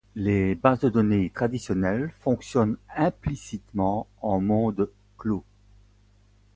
Les bases de données traditionnelles fonctionnent implicitement en monde clos.